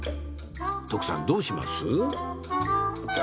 徳さんどうします？